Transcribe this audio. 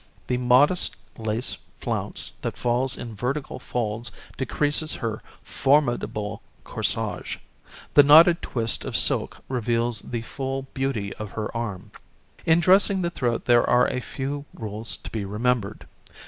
The modest lace flounce that falls in vertical folds decreases her formidable corsage. The knotted twist of silk reveals the full beauty of her arm. [Illustration: NO. 69] In dressing the throat there are a few rules to be remembered.